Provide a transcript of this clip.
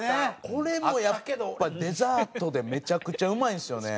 これもやっぱデザートでめちゃくちゃうまいんですよね。